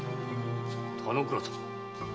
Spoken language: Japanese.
田之倉様。